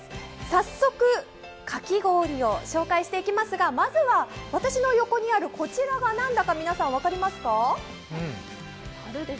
早速かき氷を紹介していきますが皆さん私の横にあります、こちらが何だか分かりますか？